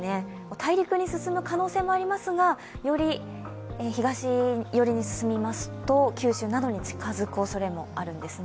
大陸に進む可能性もありますがより東寄りに進みますと九州などに近づくおそれもあるんですね。